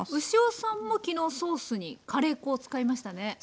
牛尾さんも昨日ソースにカレー粉を使いましたね？